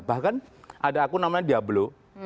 bahkan ada akun namanya diablo